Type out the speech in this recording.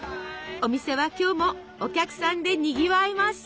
お店は今日もお客さんでにぎわいます。